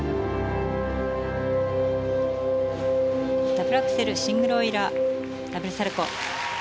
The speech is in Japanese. ダブルアクセルシングルオイラーダブルサルコウ。